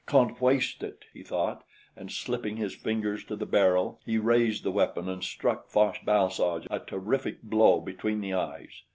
"Can't waste it," he thought; and slipping his fingers to the barrel he raised the weapon and struck Fosh bal soj a terrific blow between the eyes.